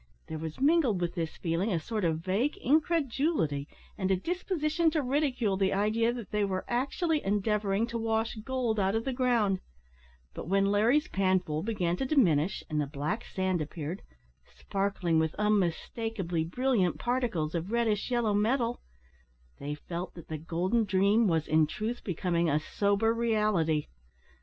There was mingled with this feeling a sort of vague incredulity, and a disposition to ridicule the idea that they were actually endeavouring to wash gold out of the ground; but when Larry's panful began to diminish, and the black sand appeared, sparkling with unmistakeably brilliant particles of reddish yellow metal, they felt that the golden dream was in truth becoming a sober reality.